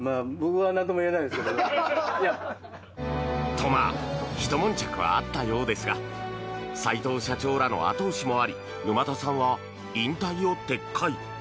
と、まあひと悶着はあったようですが斎藤社長らの後押しもあり沼田さんは、引退を撤回。